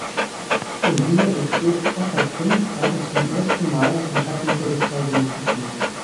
Im Wiener Bezirk Ottakring kam er zum ersten Mal in Kontakt mit der Sozialdemokratie.